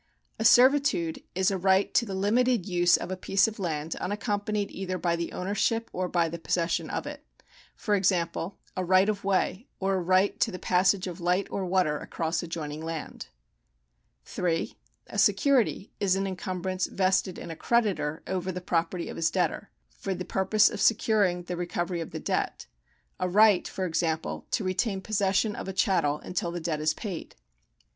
A servitude is a right to the limited use of a piece of land unaccom panied either by the ownership or by the possession of it ; for exam])le, a right of way or a right to the passage of light or water across adjoining land. 3. A security is an encumbrance vested in a creditor over the property of his debtor, for the purpose of securing the recovery of the deljt ; a right, for example, to I'ctain possession of a chattel until the debt is paid.